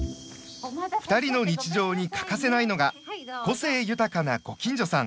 ２人の日常に欠かせないのが個性豊かなご近所さん。